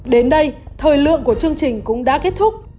đến đây thời lượng của chương trình cũng đã kết thúc